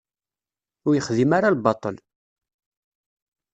Ur yexdim ara lbaṭel.